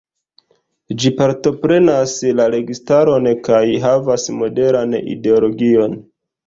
Ĝi partoprenas la registaron kaj havas moderan ideologion.